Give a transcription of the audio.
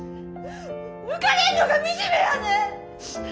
抜かれんのがみじめやねん！